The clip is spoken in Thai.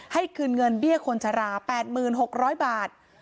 คืนเงินเบี้ยคนชะลา๘๖๐๐บาท